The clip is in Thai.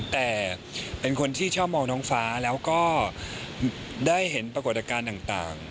แต่เป็นคนที่ชอบมองน้องฟ้าแล้วก็ได้เห็นปรากฏการณ์ต่าง